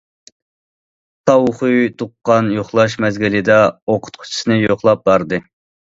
تاۋ خۇي تۇغقان يوقلاش مەزگىلىدە ئوقۇتقۇچىسىنى يوقلاپ باردى.